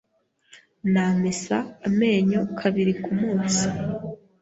Namesa amenyo kabiri kumunsi.